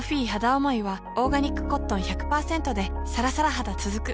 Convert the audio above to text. おもいはオーガニックコットン １００％ でさらさら肌つづく